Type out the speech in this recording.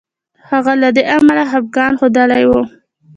هغه له دې امله خپګان ښودلی وو.